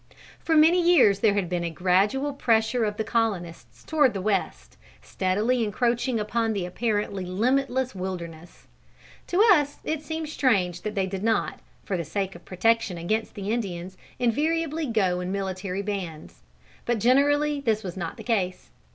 For many years there had been a gradual pressure of the colonists towards the west, steadily encroaching upon the apparently limitless wilderness. To us it seems strange that they did not, for the sake of protection against the Indians, invariably go in military bands. But generally this was not the case.